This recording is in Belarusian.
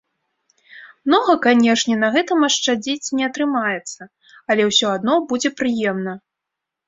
Многа, канешне, на гэтым ашчадзіць не атрымаецца, але ўсё адно будзе прыемна.